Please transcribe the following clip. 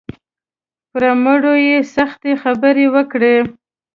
پر مړو یې سختې خبرې وکړې.